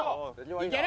いける！